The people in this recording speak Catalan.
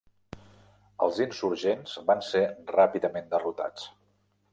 Els insurgents van ser ràpidament derrotats.